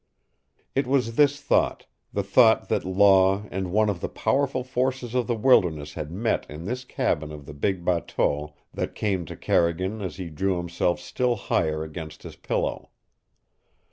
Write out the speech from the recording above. It was this thought, the thought that Law and one of the powerful forces of the wilderness had met in this cabin of the big bateau, that came to Carrigan as he drew himself still higher against his pillow.